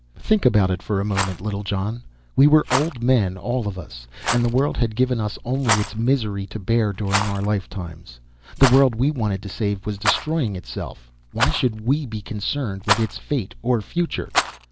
"Think about it for a moment, Littlejohn. We were old men, all of us, and the world had given us only its misery to bear during our lifetimes. The world we wanted to save was destroying itself; why should we be concerned with its fate or future?